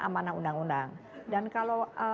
amanah undang undang dan kalau